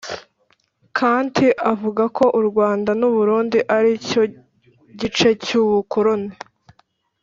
Kandt avuga ko u Rwanda n u Burundi ari cyo gice cy ubukoroni